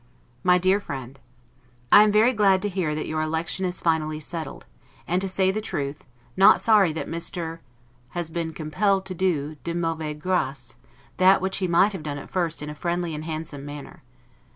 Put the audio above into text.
MY DEAR FRIEND: I am very glad to hear that your election is finally settled, and to say the truth, not sorry that Mr. has been compelled to do, 'de mauvaise grace', that which he might have done at first in a friendly and handsome manner.